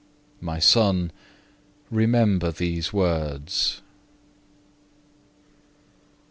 My son, remember these words."